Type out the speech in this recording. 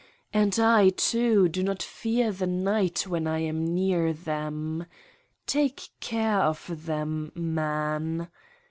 ... And I, too, do not fear the night when I am near them. Take care of them, man!